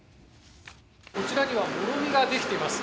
こちらにはもろみができています。